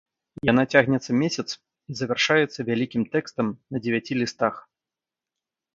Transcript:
Яна цягнецца месяц і завяршаецца вялікім тэкстам на дзевяці лістах.